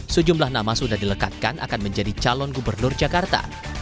sejumlah nama sudah dilekatkan akan menjadi calon gubernur jakarta